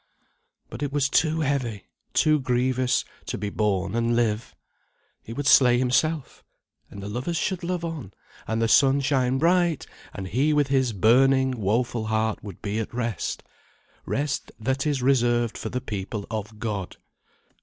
But it was too heavy, too grievous to be borne, and live. He would slay himself, and the lovers should love on, and the sun shine bright, and he with his burning, woeful heart would be at rest. "Rest that is reserved for the people of God."